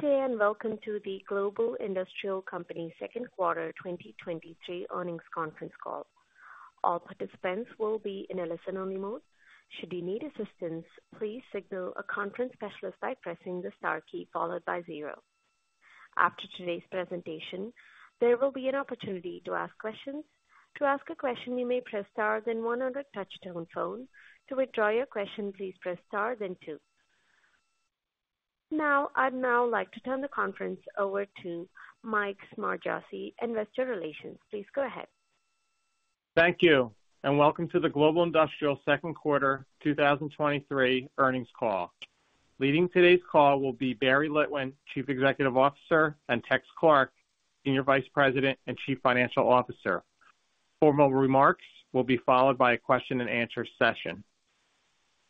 Good day, and welcome to the Global Industrial Company Q2 2023 Earnings Conference Call. All participants will be in a listen-only mode. Should you need assistance, please signal a conference specialist by pressing the star key followed by zero. After today's presentation, there will be an opportunity to ask questions. To ask a question, you may press star, then one on your touchtone phone. To withdraw your question, please press star then two. I'd now like to turn the conference over to Mike Smargiassi, Investor Relations. Please go ahead. Thank you, and welcome to the Global Industrial Q2 2023 earnings call. Leading today's call will be Barry Litwin, Chief Executive Officer, and Tex Clark, Senior Vice President and Chief Financial Officer. Formal remarks will be followed by a question-and-answer session.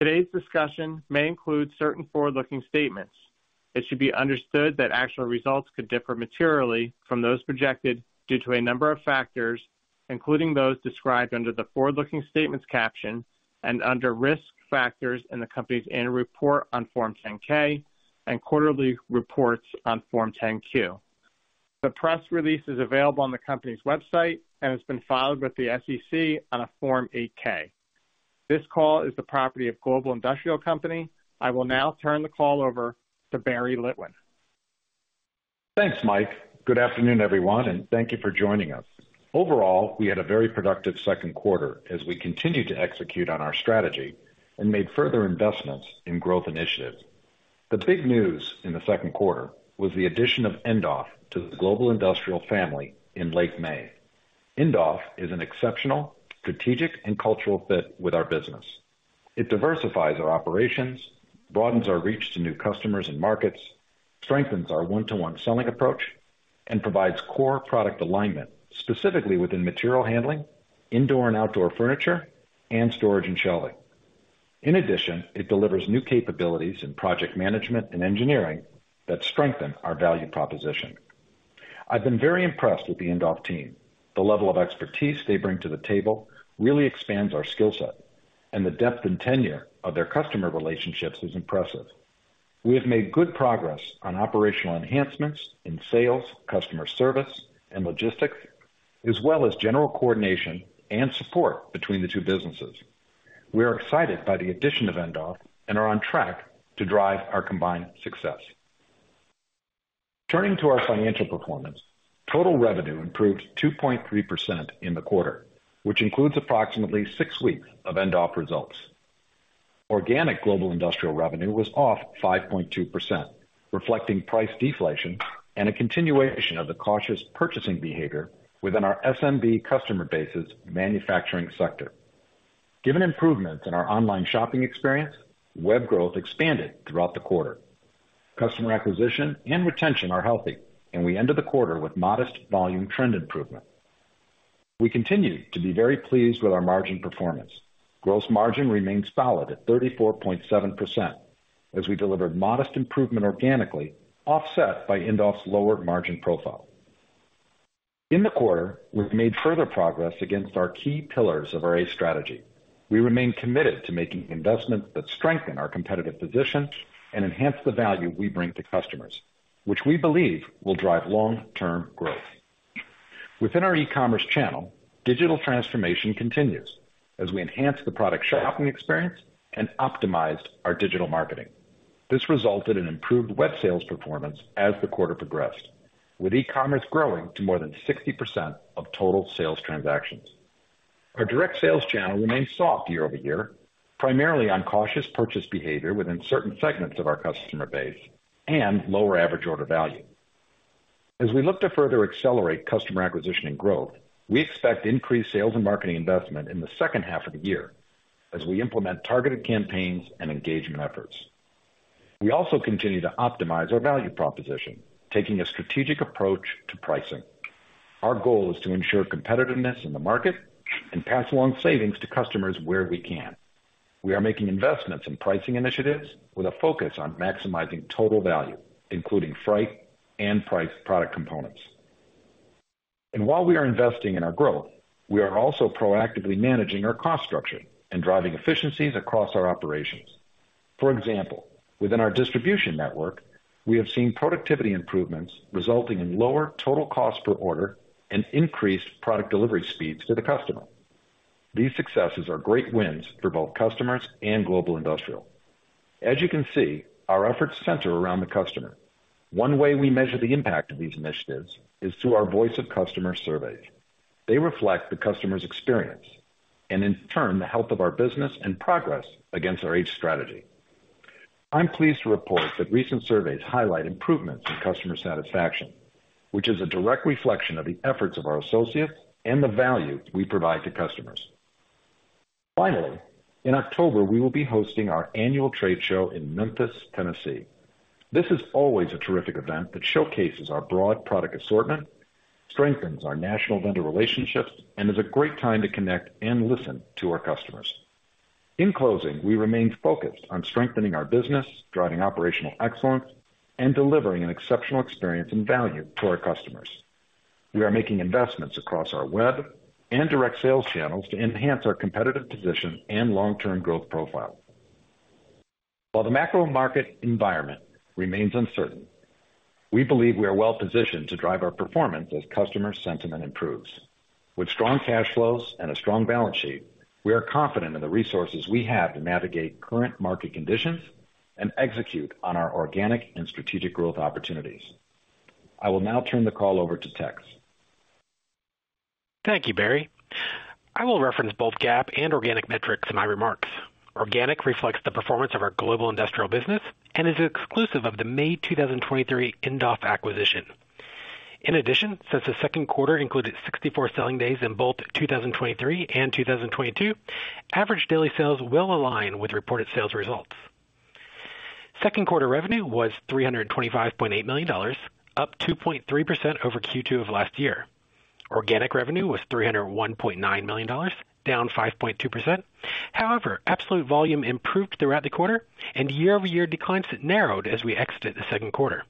Today's discussion may include certain forward-looking statements. It should be understood that actual results could differ materially from those projected due to a number of factors, including those described under the Forward-Looking Statements caption and under Risk Factors in the company's annual report on Form 10-K and quarterly reports on Form 10-Q. The press release is available on the company's website, and it's been filed with the SEC on a Form 8-K. This call is the property of Global Industrial Company. I will now turn the call over to Barry Litwin. Thanks, Mike. Good afternoon, everyone, and thank you for joining us. Overall, we had a very productive Q2 as we continued to execute on our strategy and made further investments in growth initiatives. The big news in the Q2 was the addition of Indoff to the Global Industrial family in late May. Indoff is an exceptional strategic and cultural fit with our business. It diversifies our operations, broadens our reach to new customers and markets, strengthens our one-to-one selling approach, and provides core product alignment, specifically within material handling, indoor and outdoor furniture, and storage and shelving. In addition, it delivers new capabilities in project management and engineering that strengthen our value proposition. I've been very impressed with the Indoff team. The level of expertise they bring to the table really expands our skill set, and the depth and tenure of their customer relationships is impressive. We have made good progress on operational enhancements in sales, customer service, and logistics, as well as general coordination and support between the two businesses. We are excited by the addition of Indoff and are on track to drive our combined success. Turning to our financial performance, total revenue improved 2.3% in the quarter, which includes approximately 6 weeks of Indoff results. Organic Global Industrial revenue was off 5.2%, reflecting price deflation and a continuation of the cautious purchasing behavior within our SMB customer base's manufacturing sector. Given improvements in our online shopping experience, web growth expanded throughout the quarter. Customer acquisition and retention are healthy, and we ended the quarter with modest volume trend improvement. We continue to be very pleased with our margin performance. Gross margin remains solid at 34.7% as we delivered modest improvement organically, offset by Indoff's lower margin profile. In the quarter, we've made further progress against our key pillars of our ACE strategy. We remain committed to making investments that strengthen our competitive position and enhance the value we bring to customers, which we believe will drive long-term growth. Within our e-commerce channel, digital transformation continues as we enhance the product shopping experience and optimized our digital marketing. This resulted in improved web sales performance as the quarter progressed, with e-commerce growing to more than 60% of total sales transactions. Our direct sales channel remains soft year-over-year, primarily on cautious purchase behavior within certain segments of our customer base and lower average order value. As we look to further accelerate customer acquisition and growth, we expect increased sales and marketing investment in the second half of the year as we implement targeted campaigns and engagement efforts. We also continue to optimize our value proposition, taking a strategic approach to pricing. Our goal is to ensure competitiveness in the market and pass along savings to customers where we can. We are making investments in pricing initiatives with a focus on maximizing total value, including freight and price product components. While we are investing in our growth, we are also proactively managing our cost structure and driving efficiencies across our operations. For example, within our distribution network, we have seen productivity improvements resulting in lower total cost per order and increased product delivery speeds to the customer. These successes are great wins for both customers and Global Industrial. As you can see, our efforts center around the customer. One way we measure the impact of these initiatives is through our Voice of Customer surveys. They reflect the customer's experience and, in turn, the health of our business and progress against our ACE strategy. I'm pleased to report that recent surveys highlight improvements in customer satisfaction, which is a direct reflection of the efforts of our associates and the value we provide to customers. Finally, in October, we will be hosting our annual trade show in Memphis, Tennessee. This is always a terrific event that showcases our broad product assortment, strengthens our national vendor relationships, and is a great time to connect and listen to our customers. In closing, we remain focused on strengthening our business, driving operational excellence, and delivering an exceptional experience and value to our customers. We are making investments across our web and direct sales channels to enhance our competitive position and long-term growth profile. While the macro market environment remains uncertain, we believe we are well positioned to drive our performance as customer sentiment improves. With strong cash flows and a strong balance sheet, we are confident in the resources we have to navigate current market conditions and execute on our organic and strategic growth opportunities. I will now turn the call over to Tex. Thank you, Barry. I will reference both GAAP and organic metrics in my remarks. Organic reflects the performance of our Global Industrial business and is exclusive of the May 2023 Indoff acquisition. In addition, since the Q2 included 64 selling days in both 2023 and 2022, average daily sales will align with reported sales results. Q2 revenue was $325.8 million, up 2.3% over Q2 of last year. Organic revenue was $301.9 million, down 5.2%. However, absolute volume improved throughout the quarter, and year-over-year declines narrowed as we exited the Q2.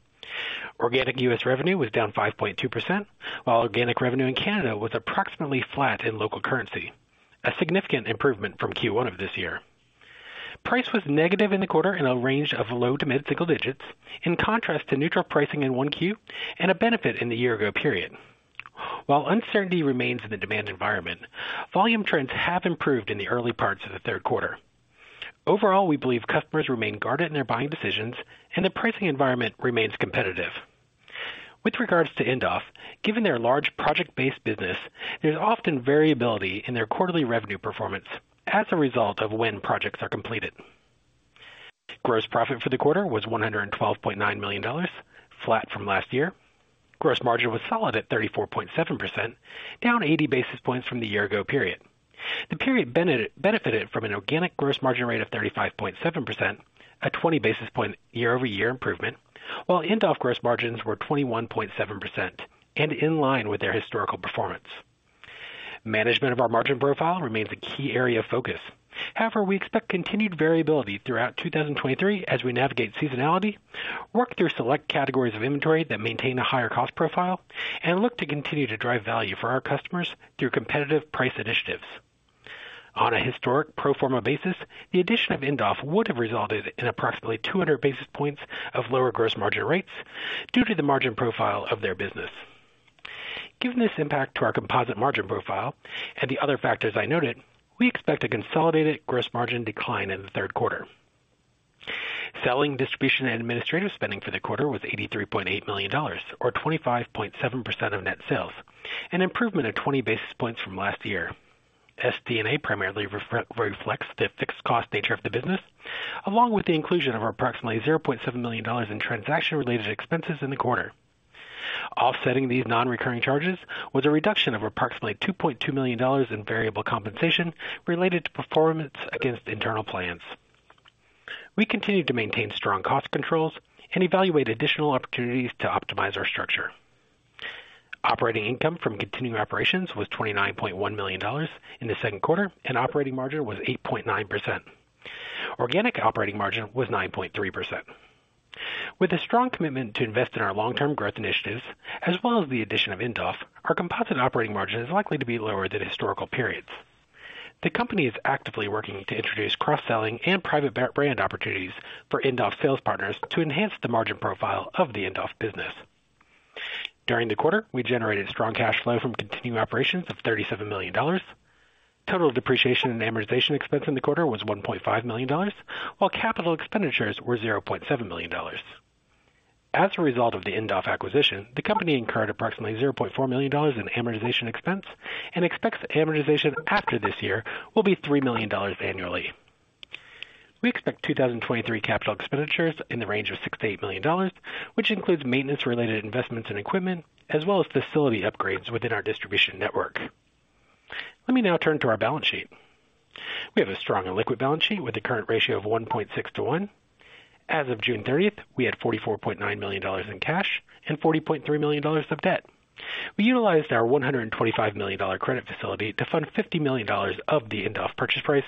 Organic US revenue was down 5.2%, while organic revenue in Canada was approximately flat in local currency, a significant improvement from Q1 of this year. Price was negative in the quarter in a range of low to mid single digits, in contrast to neutral pricing in one Q and a benefit in the year ago period. While uncertainty remains in the demand environment, volume trends have improved in the early parts of the Q3. Overall, we believe customers remain guarded in their buying decisions and the pricing environment remains competitive. With regards to Indoff, given their large project-based business, there's often variability in their quarterly revenue performance as a result of when projects are completed. Gross profit for the quarter was $112.9 million, flat from last year. Gross margin was solid at 34.7%, down 80 basis points from the year ago period. The period benefited from an organic gross margin rate of 35.7%, a 20 basis point year-over-year improvement, while Indoff gross margins were 21.7% and in line with their historical performance. Management of our margin profile remains a key area of focus. However, we expect continued variability throughout 2023 as we navigate seasonality, work through select categories of inventory that maintain a higher cost profile, and look to continue to drive value for our customers through competitive price initiatives. On a historic pro forma basis, the addition of Indoff would have resulted in approximately 200 basis points of lower gross margin rates due to the margin profile of their business. Given this impact to our composite margin profile and the other factors I noted, we expect a consolidated gross margin decline in the Q3. Selling, distribution, and administrative spending for the quarter was $83.8 million, or 25.7% of net sales, an improvement of 20 basis points from last year. SD&A primarily reflects the fixed cost nature of the business, along with the inclusion of approximately $0.7 million in transaction-related expenses in the quarter. Offsetting these non-recurring charges was a reduction of approximately $2.2 million in variable compensation related to performance against internal plans. We continue to maintain strong cost controls and evaluate additional opportunities to optimize our structure. Operating income from continuing operations was $29.1 million in the Q2, and operating margin was 8.9%. Organic operating margin was 9.3%. With a strong commitment to invest in our long-term growth initiatives, as well as the addition of Indoff, our composite operating margin is likely to be lower than historical periods. The company is actively working to introduce cross-selling and private brand opportunities for Indoff sales partners to enhance the margin profile of the Indoff business. During the quarter, we generated strong cash flow from continuing operations of $37 million. Total depreciation and amortization expense in the quarter was $1.5 million, while capital expenditures were $0.7 million. As a result of the Indoff acquisition, the company incurred approximately $0.4 million in amortization expense and expects amortization after this year will be $3 million annually. We expect 2023 capital expenditures in the range of $6 million-$8 million, which includes maintenance-related investments in equipment as well as facility upgrades within our distribution network. Let me now turn to our balance sheet. We have a strong and liquid balance sheet with a current ratio of 1.6 to 1. As of June 30th, we had $44.9 million in cash and $40.3 million of debt. We utilized our $125 million credit facility to fund $50 million of the Indoff purchase price,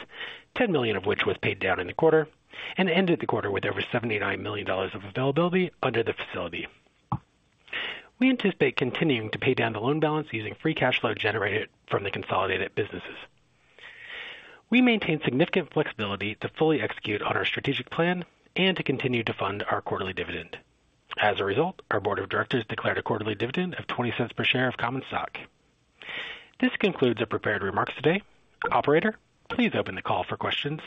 $10 million of which was paid down in the quarter and ended the quarter with over $79 million of availability under the facility. We anticipate continuing to pay down the loan balance using free cash flow generated from the consolidated businesses. We maintain significant flexibility to fully execute on our strategic plan and to continue to fund our quarterly dividend. As a result, our board of directors declared a quarterly dividend of $0.20 per share of common stock. This concludes the prepared remarks today. Operator, please open the call for questions.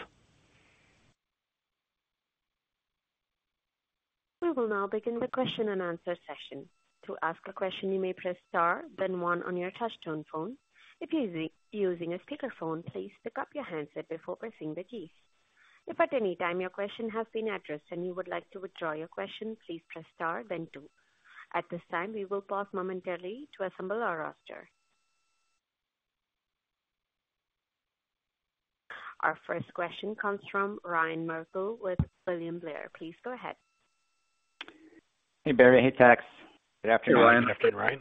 We will now begin the question-and-answer session. To ask a question, you may press star then one on your touchtone phone. If using a speakerphone, please pick up your handset before pressing the keys. If at any time your question has been addressed and you would like to withdraw your question, please press star then two. At this time, we will pause momentarily to assemble our roster. Our first question comes from Ryan Merkel with William Blair. Please go ahead. Hey, Barry. Hey, Tex. Good afternoon. Hey, Ryan. Good afternoon, Ryan.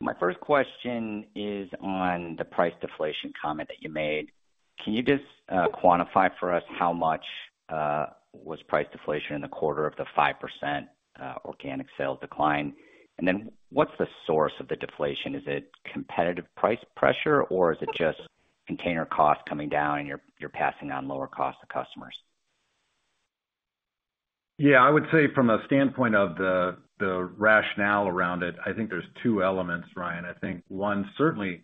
My first question is on the price deflation comment that you made. Can you just quantify for us how much was price deflation in the quarter of the 5% organic sales decline? What's the source of the deflation? Is it competitive price pressure, or is it just container costs coming down and you're, you're passing on lower costs to customers? Yeah, I would say from a standpoint of the, the rationale around it, I think there's two elements, Ryan. I think one, certainly,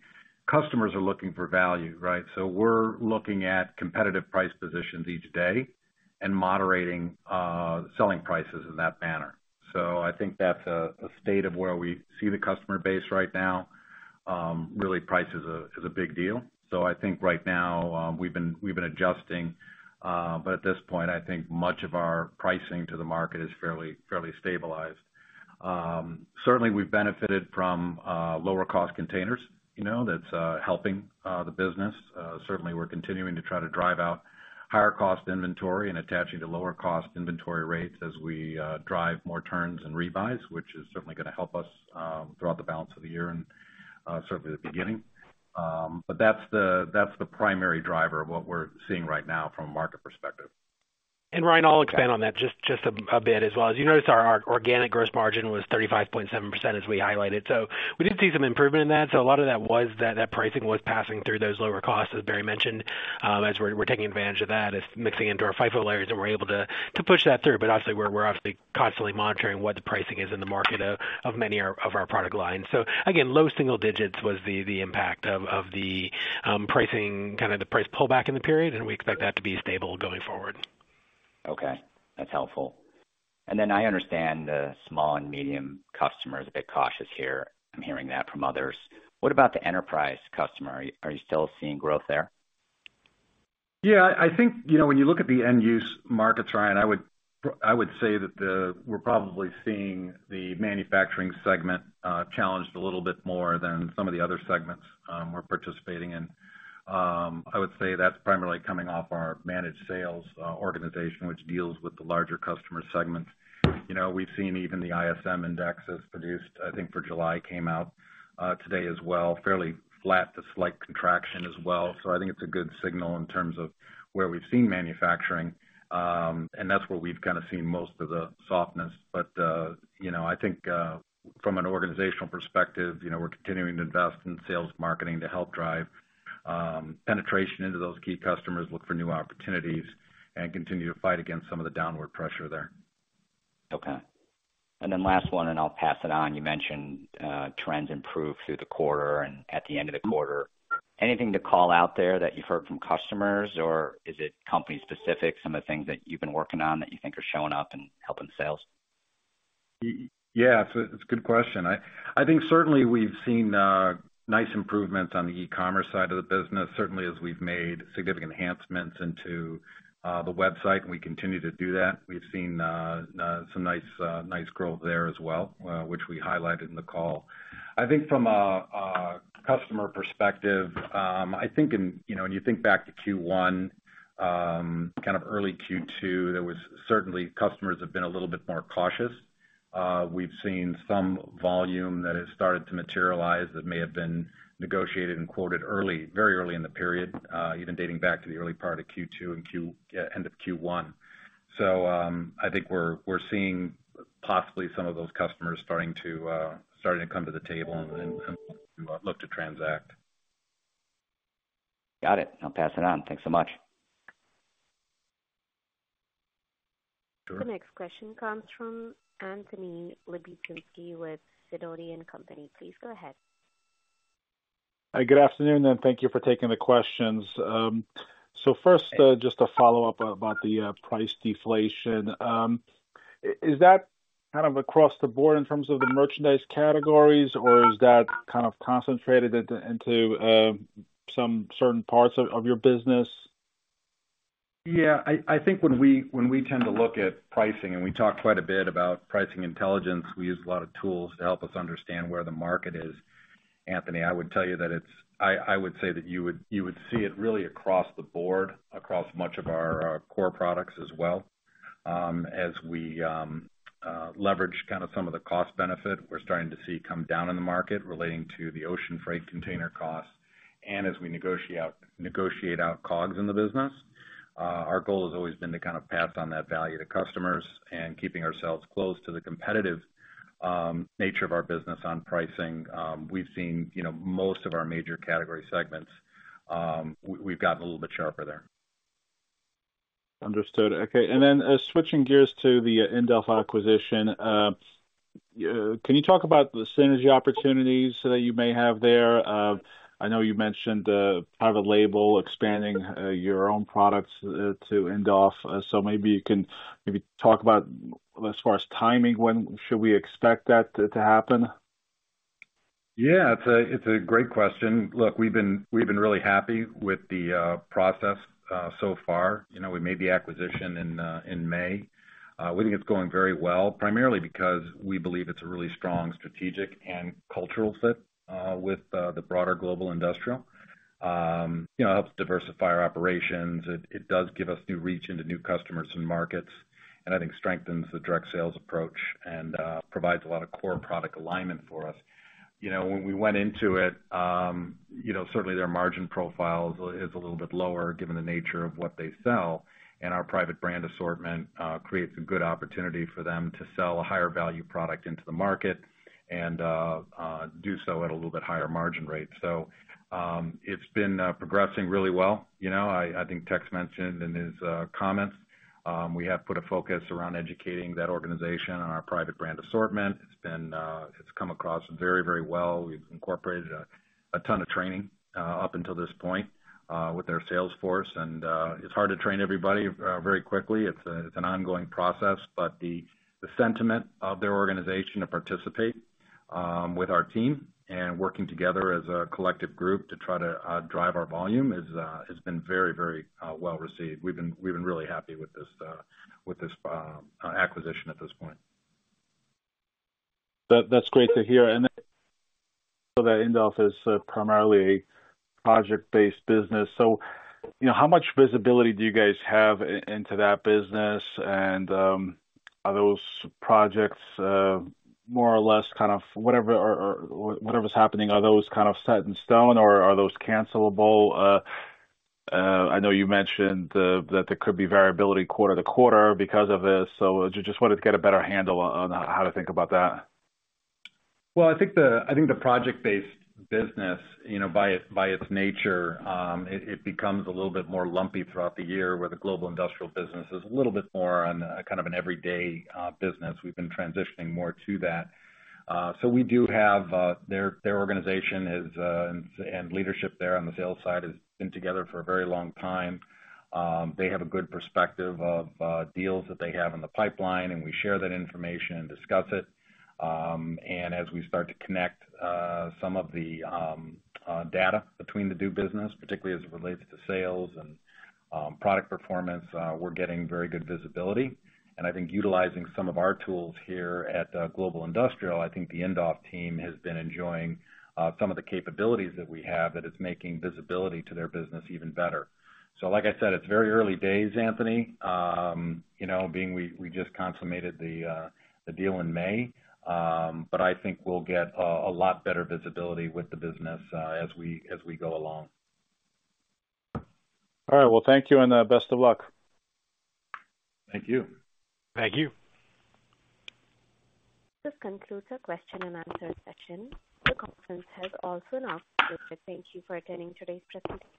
customers are looking for value, right? We're looking at competitive price positions each day and moderating selling prices in that manner. I think that's a state of where we see the customer base right now. Really, price is a big deal. I think right now, we've been, we've been adjusting, but at this point, I think much of our pricing to the market is fairly, fairly stabilized. Certainly we've benefited from lower cost containers, you know, that's helping the business. Certainly we're continuing to try to drive out higher cost inventory and attaching to lower cost inventory rates as we drive more turns and revise, which is certainly gonna help us throughout the balance of the year and certainly the beginning. That's the, that's the primary driver of what we're seeing right now from a market perspective. Ryan, I'll expand on that just, just a, a bit as well. As you noticed, our, our organic gross margin was 35.7%, as we highlighted, so we did see some improvement in that. A lot of that was that, that pricing was passing through those lower costs, as Barry mentioned. As we're, we're taking advantage of that, it's mixing into our FIFO layers, and we're able to, to push that through. Obviously, we're, we're obviously constantly monitoring what the pricing is in the market of, of many of our, of our product lines. Again, low single digits was the, the impact of, of the pricing, kinda the price pullback in the period, and we expect that to be stable going forward. Okay, that's helpful. Then I understand the small and medium customer is a bit cautious here. I'm hearing that from others. What about the enterprise customer? Are you still seeing growth there? Yeah, I, I think, you know, when you look at the end use markets, Ryan, I would I would say that we're probably seeing the manufacturing segment challenged a little bit more than some of the other segments we're participating in. I would say that's primarily coming off our managed sales organization, which deals with the larger customer segments. You know, we've seen even the ISM index, as produced, I think, for July, came out today as well, fairly flat to slight contraction as well. I think it's a good signal in terms of where we've seen manufacturing, and that's where we've kinda seen most of the softness. You know, I think, from an organizational perspective, you know, we're continuing to invest in sales marketing to help drive penetration into those key customers, look for new opportunities, and continue to fight against some of the downward pressure there. Okay. Then last one, and I'll pass it on. You mentioned, trends improved through the quarter and at the end of the quarter. Anything to call out there that you've heard from customers, or is it company specific, some of the things that you've been working on that you think are showing up and helping sales? Yeah, it's a good question. I think certainly we've seen nice improvements on the e-commerce side of the business, certainly as we've made significant enhancements into the website, and we continue to do that. We've seen some nice nice growth there as well, which we highlighted in the call. I think from a customer perspective, I think in, you know, when you think back to Q1, kind of early Q2, there was certainly, customers have been a little bit more cautious. We've seen some volume that has started to materialize that may have been negotiated and quoted early, very early in the period, even dating back to the early part of Q2 and Q... yeah, end of Q1. I think we're, we're seeing possibly some of those customers starting to, starting to come to the table and, and, and look to transact. Got it. I'll pass it on. Thanks so much. Sure. The next question comes from Anthony Lebiedzinski with Sidoti & Company. Please go ahead. Hi, good afternoon, and thank you for taking the questions. First, just a follow-up about the price deflation. Is that kind of across the board in terms of the merchandise categories, or is that kind of concentrated into, into some certain parts of your business? Yeah, I, I think when we, when we tend to look at pricing, and we talk quite a bit about pricing intelligence, we use a lot of tools to help us understand where the market is. Anthony, I would tell you that I, I would say that you would, you would see it really across the board, across much of our core products as well. As we leverage kinda some of the cost benefit, we're starting to see come down in the market relating to the ocean freight container costs, and as we negotiate, negotiate out COGS in the business. Our goal has always been to kind of pass on that value to customers and keeping ourselves close to the competitive nature of our business on pricing. We've seen, you know, most of our major category segments, we've gotten a little bit sharper there. Understood. Okay, and then, switching gears to the Indoff acquisition, can you talk about the synergy opportunities that you may have there? I know you mentioned private label expanding your own products to Indoff, so maybe you can maybe talk about, as far as timing, when should we expect that to happen?... Yeah, it's a, it's a great question. Look, we've been, we've been really happy with the process so far. You know, we made the acquisition in May. We think it's going very well, primarily because we believe it's a really strong strategic and cultural fit with the broader Global Industrial. You know, it helps diversify our operations. It, it does give us new reach into new customers and markets, and I think strengthens the direct sales approach and provides a lot of core product alignment for us. You know, when we went into it, you know, certainly their margin profile is, is a little bit lower, given the nature of what they sell, and our private brand assortment, creates a good opportunity for them to sell a higher value product into the market and do so at a little bit higher margin rate. It's been progressing really well. You know, I, I think Tex mentioned in his comments, we have put a focus around educating that organization on our private brand assortment. It's been, it's come across very, very well. We've incorporated a, a ton of training up until this point with their sales force. It's hard to train everybody very quickly. It's a, it's an ongoing process, but the, the sentiment of their organization to participate, with our team and working together as a collective group to try to, drive our volume is, has been very, very, well received. We've been, we've been really happy with this, with this, acquisition at this point. That, that's great to hear. So that Indoff is primarily a project-based business, so, you know, how much visibility do you guys have into that business? Are those projects, more or less kind of whatever or, or whatever's happening, are those kind of set in stone, or are those cancelable? I know you mentioned, that there could be variability quarter to quarter because of this, so just wanted to get a better handle on, on how to think about that. Well, I think the, I think the project-based business, you know, by its, by its nature, it, it becomes a little bit more lumpy throughout the year, where the Global Industrial business is a little bit more on a kind of an everyday business. We've been transitioning more to that. We do have, their, their organization is, and, and leadership there on the sales side has been together for a very long time. They have a good perspective of, deals that they have in the pipeline, and we share that information and discuss it. As we start to connect, some of the, data between the two business, particularly as it relates to sales and, product performance, we're getting very good visibility. I think utilizing some of our tools here at Global Industrial, I think the Indoff team has been enjoying some of the capabilities that we have, that it's making visibility to their business even better. Like I said, it's very early days, Anthony. you know, being we, we just consummated the deal in May. I think we'll get a lot better visibility with the business as we, as we go along. All right, well, thank you and, best of luck. Thank you. Thank you. This concludes our question and answer session. The conference has also now concluded. Thank you for attending today's presentation.